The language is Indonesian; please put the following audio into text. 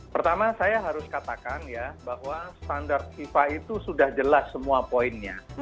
pertama saya harus katakan ya bahwa standar fifa itu sudah jelas semua poinnya